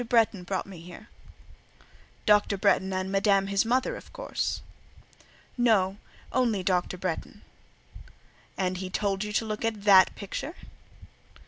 Bretton brought me here." "Dr. Bretton and Madame his mother, of course?" "No; only Dr. Bretton." "And he told you to look at that picture?"